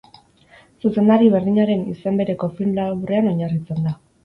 Zuzendari berdinaren izen bereko film laburrean oinarritzen da.